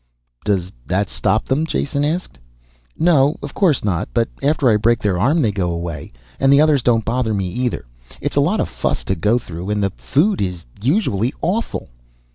"Does that stop them?" Jason asked. "No, of course not. But after I break their arm they go away. And the others don't bother me either. It's a lot of fuss to go through and the food is usually awful."